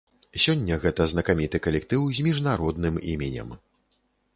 Сёння гэта знакаміты калектыў з міжнародным іменем.